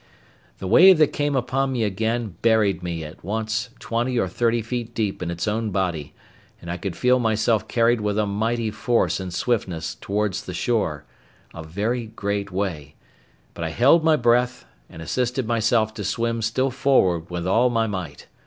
The wave that came upon me again buried me at once twenty or thirty feet deep in its own body, and I could feel myself carried with a mighty force and swiftness towards the shore—a very great way; but I held my breath, and assisted myself to swim still forward with all my might.